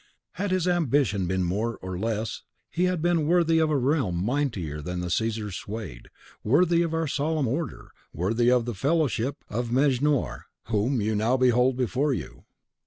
Had his ambition been more or less, he had been worthy of a realm mightier than the Caesars swayed; worthy of our solemn order; worthy of the fellowship of Mejnour, whom you now behold before you."